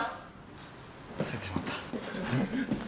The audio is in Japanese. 忘れてしまった。